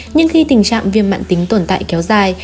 nhưng khi tình trạng viêm mạng tính tồn tại kéo dài